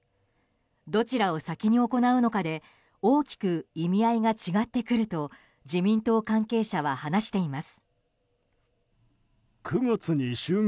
どちらを先に行うのかで大きく意味合いが違ってくると自民党関係者は話しています。